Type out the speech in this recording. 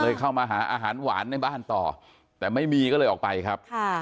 เข้ามาหาอาหารหวานในบ้านต่อแต่ไม่มีก็เลยออกไปครับค่ะ